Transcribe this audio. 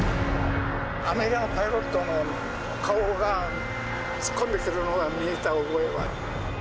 アメリカのパイロットの顔が突っ込んでくるのが見えた覚えは。